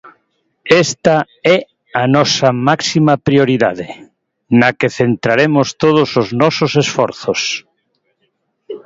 Esta é a nosa máxima prioridade, na que centraremos todos os nosos esforzos.